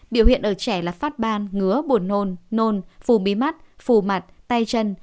biểu hiện ở trẻ là phát ban ngứa buồn nôn nôn phù bí mắt phù mặt tay chân